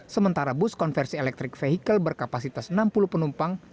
sementara bus konversi elektrik vehicle berkapasitas enam puluh penumpang